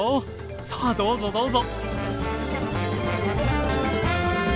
さあどうぞどうぞ。